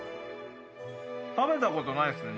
食べたことないっすね